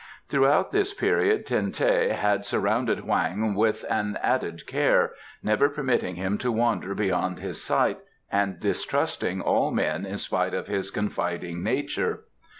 Throughout this period Ten teh had surrounded Hoang with an added care, never permitting him to wander beyond his sight, and distrusting all men in spite of his confiding nature.